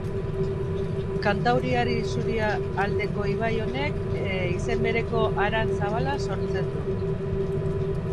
Kantauriar isurialdeko ibai honek izen bereko haran zabala sortzen du.